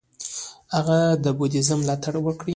هغه د بودیزم ملاتړ وکړ.